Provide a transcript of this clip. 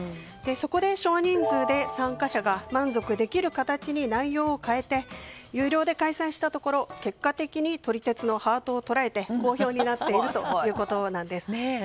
そこで少人数で参加者が満足できる形に内容を変えて有料で開催したところ、結果的に撮り鉄のハートを捉えて好評になっているということなんです。